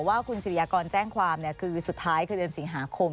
ว่าคุณสิริยากรแจ้งความคือสุดท้ายคือเดือนสิงหาคม